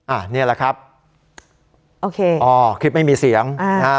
อ่ะนี่แหละครับโอเคอ๋อคลิปไม่มีเสียงอ่านะฮะ